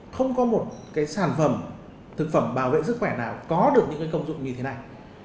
không có một sản phẩm thực phẩm bảo vệ sức khỏe nào có được những công dụng như thế này